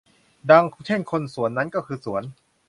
ดังเช่นคนสวนนั้นก็คือสวน